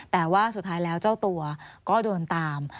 แต่ว่าสุดท้ายแล้วเจ้าตัวก็โดนตาม